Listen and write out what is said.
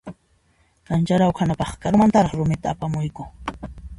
Kancha rawkhanapaqqa karumantaraq rumita apamuyku.